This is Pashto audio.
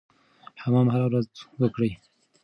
حمام هره ورځ وکړئ.